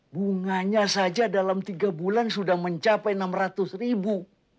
bunganya saja dalam tiga bulan sudah mencapai enam ratus ribu